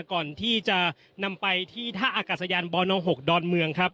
ก่อนที่จะนำไปที่ท่าอากาศยานบน๖ดอนเมืองครับ